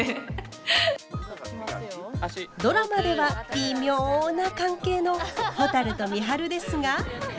ドラマではビミョな関係のほたると美晴ですが。